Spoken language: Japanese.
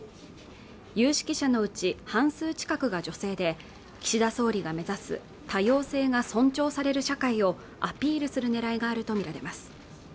有識者のうち半数近くが女性で岸田総理が目指す多様性が尊重される社会をアピールするねらいがあると見られます